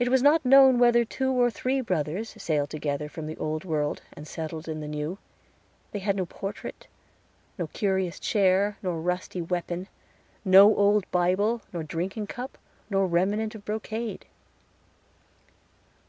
It was not known whether two or three brothers sailed together from the Old World and settled in the New. They had no portrait, nor curious chair, nor rusty weapon no old Bible, nor drinking cup, nor remnant of brocade.